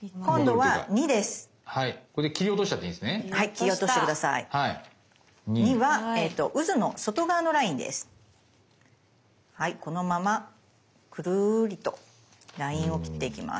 はいこのままくるりとラインを切っていきます。